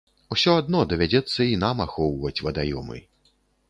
Усё адно давядзецца і нам ахоўваць вадаёмы.